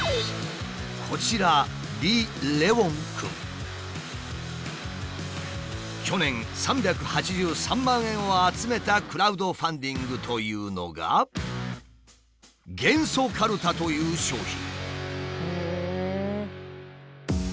こちら去年３８３万円を集めたクラウドファンディングというのが「元素カルタ」という商品。